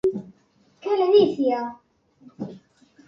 Que ledicia!